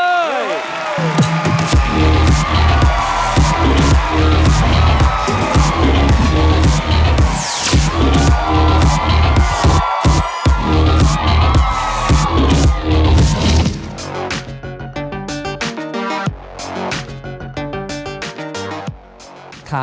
ความรับใจของแม่หวงปัน